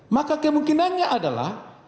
maka kemungkinannya adalah